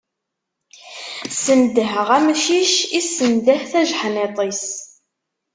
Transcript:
Snedheɣ amcic, issendeh tajeḥniḍt-is.